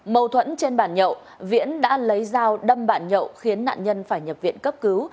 mâu thuẫn trên bàn nhậu viễn đã lấy dao đâm bạn nhậu khiến nạn nhân phải nhập viện cấp cứu